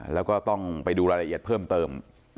แล้วก็ต้องไปดูรายละเอียดเพิ่มเติม